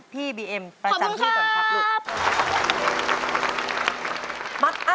พี่บีเอ็มประจำที่ก่อนครับลูก